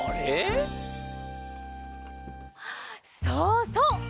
そうそう！